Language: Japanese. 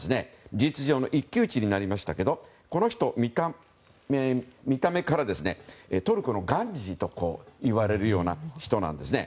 事実上の一騎打ちになりましたけどこの人、見た目からトルコのガンジーと言われるような人なんですね。